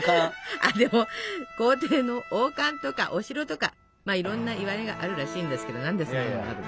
あでも皇帝の王冠とかお城とかいろんないわれがあるらしいんですけど何でそんなのがあるの？